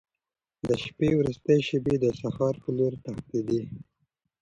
د شپې وروستۍ شېبې د سهار په لور تښتېدې.